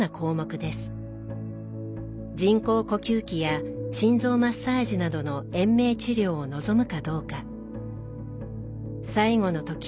人工呼吸器や心臓マッサージなどの延命治療を望むかどうか。